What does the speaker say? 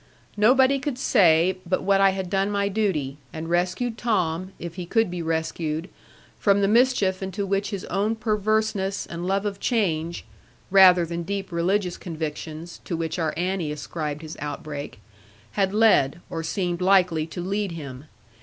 Nobody could say but what I had done my duty, and rescued Tom (if he could be rescued) from the mischief into which his own perverseness and love of change (rather than deep religious convictions, to which our Annie ascribed his outbreak) had led, or seemed likely to lead him.